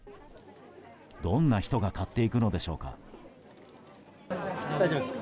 どんな人が買っていくのでしょうか。